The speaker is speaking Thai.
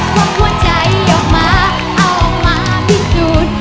ความหัวใจออกมาเอามาพิสูจน์